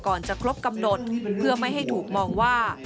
จะครบกำหนดเพื่อไม่ให้ถูกมองว่า